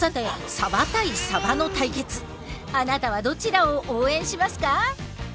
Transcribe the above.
さてあなたはどちらを応援しますか？